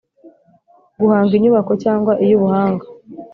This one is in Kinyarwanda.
guhanga inyubako cyangwa iy ubuhanga